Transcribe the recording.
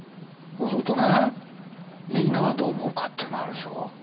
そうするとねみんながどう思うかっていうのあるでしょ。